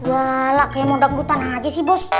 walah kayak mau dambutan aja si bos